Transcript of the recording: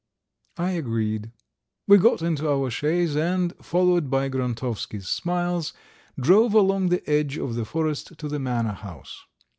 I agreed. We got into our chaise and, followed by Grontovsky's smiles, drove along the edge of the forest to the manor house.